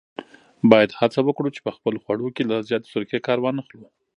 باید هڅه وکړو چې په خپلو خوړو کې له زیاتې سرکې کار وانخلو.